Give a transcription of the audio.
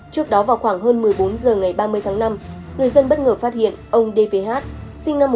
trước đó vào khoảng hơn một mươi bốn h ngày ba mươi tháng năm người dân bất ngờ phát hiện ông dvh sinh năm một nghìn chín trăm tám mươi